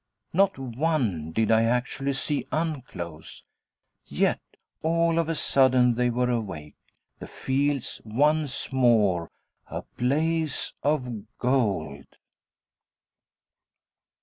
Not one did I actually see unclose, yet, all of a sudden, they were awake, the fields once more a blaze of gold.